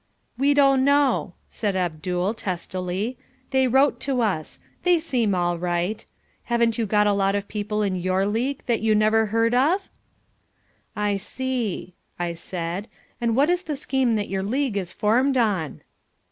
"We don't know," said Abdul, testily. "They wrote to us. They seem all right. Haven't you got a lot of people in your league that you never heard of?" "I see," I said, "and what is the scheme that your league is formed on?"